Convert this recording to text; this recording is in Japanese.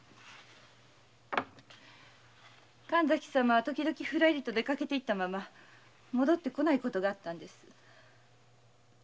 神崎様は時々出かけて行ったまま戻ってこないことがあったんです。